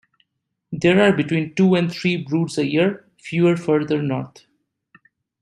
There are between two and three broods a year, fewer further north.